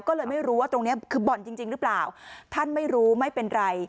ก็เลยไม่รู้ว่าตรงนี้คือบ่อนจริงหรือเปล่าท่านไม่รู้ไม่เป็นไร